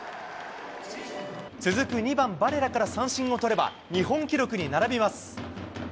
続く２番バレラから三振を取れば、日本記録に並びます。